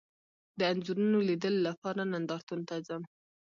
د انځورونو لیدلو لپاره نندارتون ته ځم